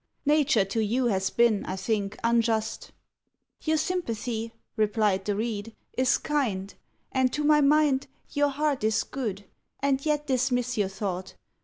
Nature to you has been, I think, unjust." "Your sympathy," replied the Reed, "is kind, And to my mind Your heart is good; and yet dismiss your thought.